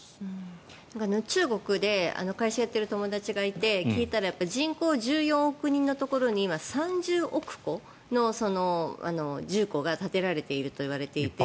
中国で会社やっている友達がいて聞いたら人口１４億人のところに今、３０億戸の住戸が建てられているといわれていて。